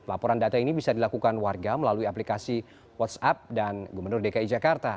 laporan data ini bisa dilakukan warga melalui aplikasi whatsapp dan gubernur dki jakarta